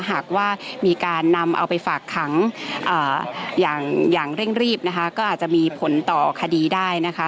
หากว่ามีการนำเอาไปฝากขังอย่างเร่งรีบนะคะก็อาจจะมีผลต่อคดีได้นะคะ